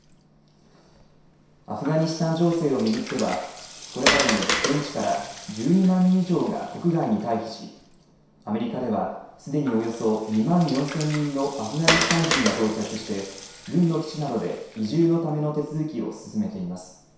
アフガニスタン情勢を巡ってはこれまでに現地から１２万人以上が国外に退避しアメリカではすでにおよそ２万４０００人のアフガニスタン人が到着して軍の基地などで移住のための手続きを進めています。